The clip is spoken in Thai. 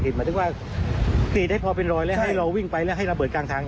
ใช่ประมาณนั้นเลยครับ